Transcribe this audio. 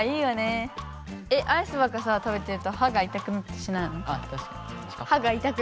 アイスばっかさ食べてると歯が痛くなったりしないの？